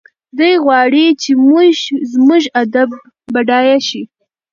دی غواړي چې زموږ ادب بډایه شي.